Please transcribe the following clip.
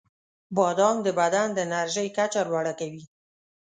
• بادام د بدن د انرژۍ کچه لوړه کوي.